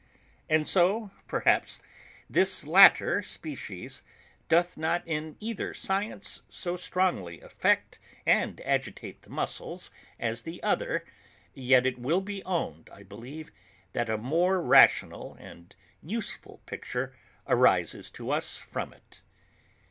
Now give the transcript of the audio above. And tho' perhaps this latter species doth not in either science so strongly affect and agitate the muscles as the other, yet it will be owned I believe, that a more rational and useful pleasure arises to us from it.